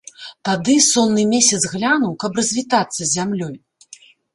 Тады сонны месяц глянуў, каб развітацца з зямлёй.